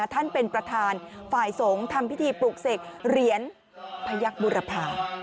ท่านประธานเป็นประธานฝ่ายสงฆ์ทำพิธีปลูกเสกเหรียญพยักษ์บุรพา